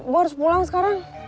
gue harus pulang sekarang